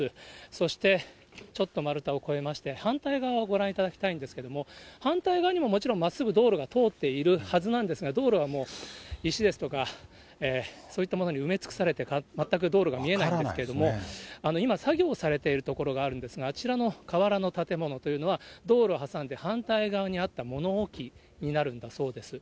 そして、ちょっと丸太を越えまして、反対側をご覧いただきたいんですけれども、反対側にも、もちろんまっすぐ道路が通っているはずなんですが、道路はもう石ですとか、そういったものに埋め尽くされて、全く道路が見えないんですけれども、今、作業されてる所があるんですが、あちらの瓦の建物というのは、道路を挟んで反対側にあった物置になるんだそうです。